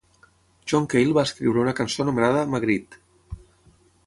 John Cale va escriure una cançó anomenada "Magritte".